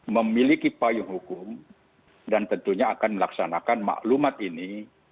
memiliki payung hukum dan tentunya akan melaksanakan maklumat ini